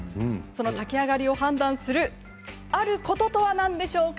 炊き上がりを判断するあることとは何でしょうか。